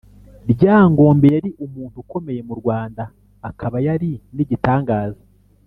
Ryangombe yari umuntu ukomeye mu Rwanda; akaba yari n’igitangaza